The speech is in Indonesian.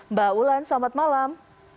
mbak wulan selamat malam